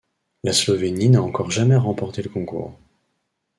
La Slovénie n'a encore jamais remporté le concours.